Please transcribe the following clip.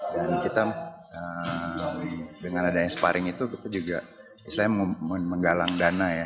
dan kita dengan adanya sparing itu kita juga islinya menggalang dana ya